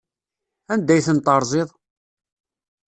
Anda ay ten-terẓiḍ?